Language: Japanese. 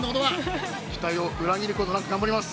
◆期待を裏切ることなく頑張ります。